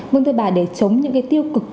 vâng thưa bà để chống những cái tiêu cực